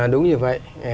đúng như vậy